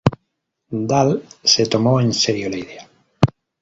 Dahl se tomó en serio la idea.